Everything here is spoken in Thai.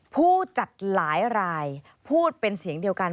ผู้จัดหลายรายพูดเป็นเสียงเดียวกัน